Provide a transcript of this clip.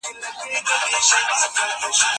زه کولای سم امادګي ونيسم!!